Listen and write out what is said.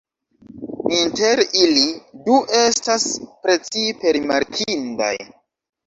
Inter ili, du estas precipe rimarkindaj.